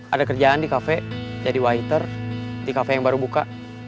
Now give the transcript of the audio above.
ada kerjaan di cafe jadi waiter di cafe yang baru buka